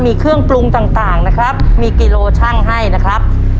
มีเครื่องปรุงต่างต่างนะครับมีกิโลชั่งให้นะครับ